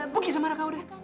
pegi sama raka udah